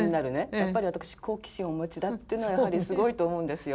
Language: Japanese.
やっぱり私好奇心をお持ちだっていうのはやはりすごいと思うんですよ。